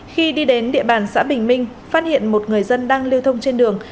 khi đi đến địa bàn xã bình minh phát hiện một người dân đang lưu thông trên đường